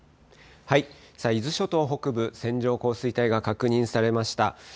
伊豆諸島北部、線状降水帯が確認されました。